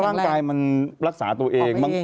ร่างกายมันรักษาตัวเองบ้าง